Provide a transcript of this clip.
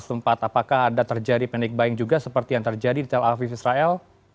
sumpah apakah ada terjadi penikbaing juga seperti yang terjadi di tel aviv israel